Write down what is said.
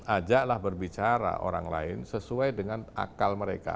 ajaklah berbicara orang lain sesuai dengan akal mereka